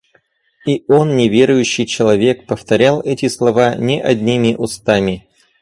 И он, неверующий человек, повторял эти слова не одними устами.